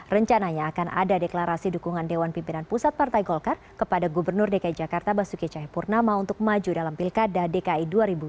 rencananya akan ada deklarasi dukungan dewan pimpinan pusat partai golkar kepada gubernur dki jakarta basuki cahayapurnama untuk maju dalam pilkada dki dua ribu dua puluh